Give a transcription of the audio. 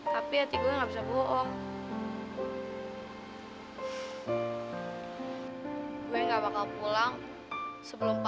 papi lihat di mall